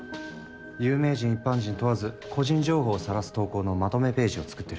有名人一般人問わず個人情報をさらす投稿のまとめページを作ってる。